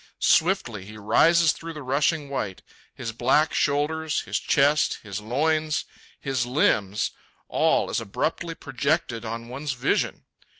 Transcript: Swiftly he rises through the rushing white. His black shoulders, his chest, his loins, his limbs—all is abruptly projected on one's vision.